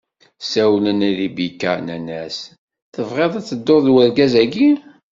Sawlen i Ribika, nnan-as: Tebɣiḍ ad tedduḍ d urgaz-agi?